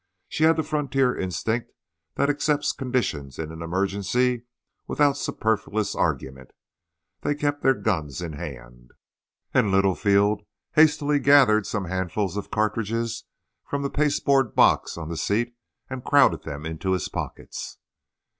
She had the frontier instinct that accepts conditions in an emergency without superfluous argument. They kept their guns in hand, and Littlefield hastily gathered some handfuls of cartridges from the pasteboard box on the seat and crowded them into his pockets.